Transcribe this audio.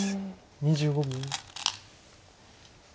２５秒。